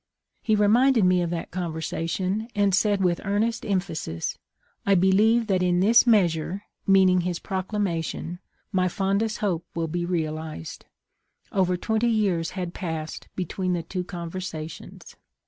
He reminded me of that conversation, and said with earnest emphasis, ' I believe that in this measure [meaning his Proclamation] my fondest hope will be realized.' Over twenty years had passed between the two conversations.